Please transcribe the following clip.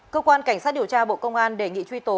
cơ quan cảnh sát điều tra bộ công an đề nghị truy tố